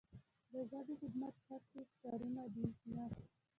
د ژبې خدمت سطحي کارونه دي نه.